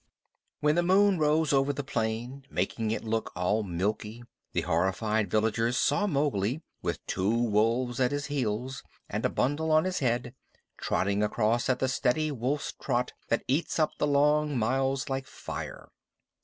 When the moon rose over the plain, making it look all milky, the horrified villagers saw Mowgli, with two wolves at his heels and a bundle on his head, trotting across at the steady wolf's trot that eats up the long miles like fire.